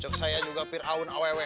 cek saya juga pir aun awewe